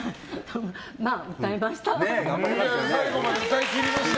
まあ歌えました。